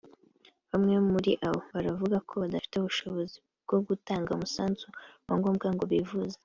Bamwe muri abo baravuga ko badafite ubushobozi bwo gutanga umusanzu wa ngombwa ngo bivuze